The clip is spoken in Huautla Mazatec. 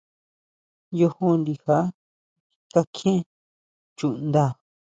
Yojo ndija kakjién chuʼnda.